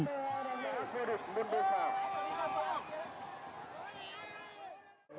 đảo hà nam này